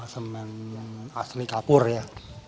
semen asli kapur ya